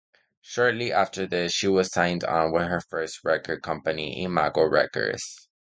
Shortly after this, she was signed on with her first record company Imago Records.